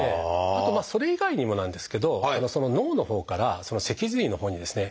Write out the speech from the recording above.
あとそれ以外にもなんですけど脳のほうから脊髄のほうにですね